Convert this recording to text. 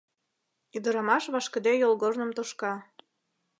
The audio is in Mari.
Ӱдырамаш вашкыде йолгорным тошка.